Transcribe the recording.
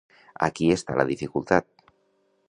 Aquí està la dificultat.